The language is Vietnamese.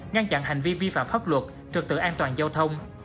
ngăn chặn hành vi vi phạm pháp luật trực tự an toàn giao thông